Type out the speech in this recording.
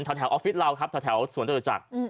ออฟฟิศเราครับแถวสวนจตุจักร